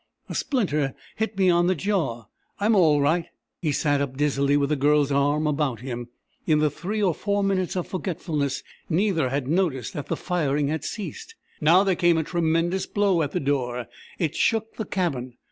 "A splinter hit me on the jaw.... I'm all right...." He sat up dizzily, with the Girl's arm about him. In the three or four minutes of forgetfulness neither had noticed that the firing had ceased. Now there came a tremendous blow at the door. It shook the cabin.